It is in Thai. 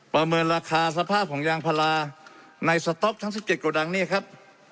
เมินราคาสภาพของยางพลาในสต๊อกทั้ง๑๗กระดังนี่ครับ